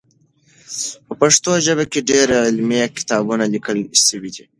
په پښتو ژبه کې ډېر علمي کتابونه لیکل سوي دي.